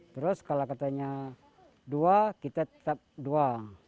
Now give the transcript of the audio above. terus kalau katanya dua kita tetap dua